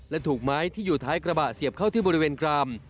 และถูกไม้ที่อยู่ท้ายกระบะเสียบเข้าที่บริเวณกราม